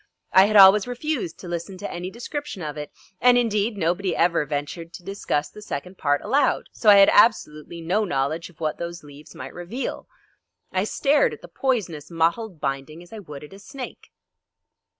I had always refused to listen to any description of it, and indeed, nobody ever ventured to discuss the second part aloud, so I had absolutely no knowledge of what those leaves might reveal. I stared at the poisonous mottled binding as I would at a snake.